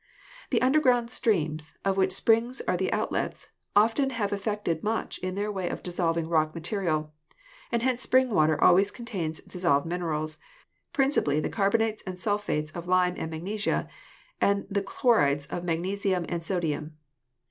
The underground streams, of which springs are the out lets, often have effected much in the way of dissolving<,rock material, and hence spring water always contains dissolved minerals, principally the carbonates and sulphates of lime and magnesia and the chlorides of magnesium and sodium.